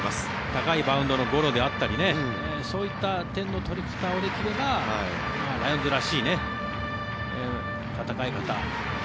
高いバウンドのゴロであったりそういった点の取り方をできればライオンズらしい戦い方